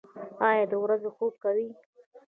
ایا د ورځې خوب کوئ؟